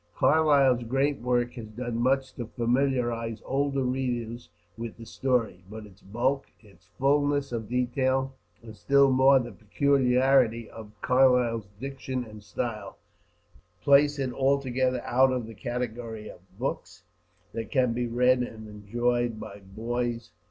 Carlyle's great work has done much to familiarize older readers with the story; but its bulk, its fullness of detail, and still more the peculiarity of Carlyle's diction and style, place it altogether out of the category of books that can be read and enjoyed by boys.